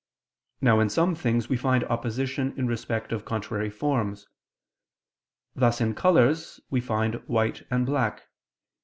Now in some things we find opposition in respect of contrary forms; thus in colors we find white and black.